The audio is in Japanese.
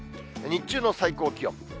日中の最高気温。